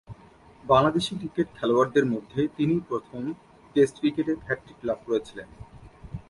Bangladeshi cricket খেলোয়াড়দের মধ্যে তিনিই প্রথম টেস্ট ক্রিকেটে হ্যাট্রিক লাভ করেছিলেন।